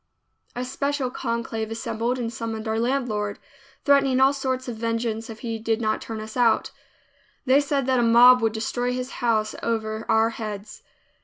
A special conclave assembled and summoned our landlord, threatening all sorts of vengeance if he did not turn us out. They said that a mob would destroy his house over our heads.